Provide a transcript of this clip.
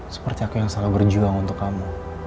seperti aku yang selalu berjuang untuk kamu